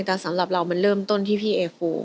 แต่สำหรับเรามันเริ่มต้นที่พี่เอฟู